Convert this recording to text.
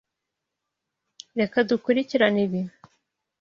Reka dukurikirane ibi.